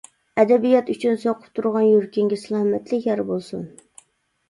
ئەدەبىيات ئۈچۈن سوقۇپ تۇرغان يۈرىكىڭگە سالامەتلىك يار بولسۇن!